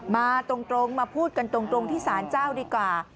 มาตรงมาพูดกันตรงที่สารเจ้าดีกว่า